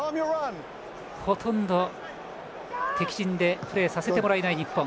ほとんど敵陣でプレーさせてもらえない日本。